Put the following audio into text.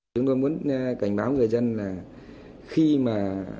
chúng tôi muốn cảnh báo người dân là khi mà